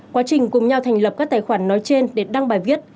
quá trình cùng nhau thành lập các tài khoản nói trên để đăng bài viết